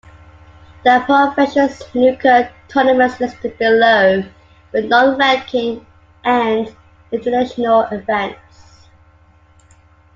The professional snooker tournaments listed below were non-ranking and invitational events.